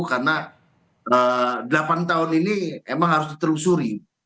karena delapan tahun ini emang harus diterusuri